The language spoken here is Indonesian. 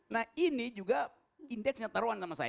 nah ini juga indeksnya taruhan sama saya